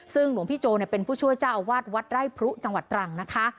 ซึ่งหลวงพี่โจเป็นผู้ช่วยเจ้าอาวาสวัดไร่พรุจังหวัดตรังนะคะ